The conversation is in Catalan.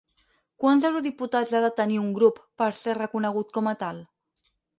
Quants eurodiputats ha de tenir un grup per ser reconegut com a tal?